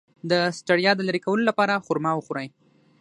د ستړیا د لرې کولو لپاره خرما وخورئ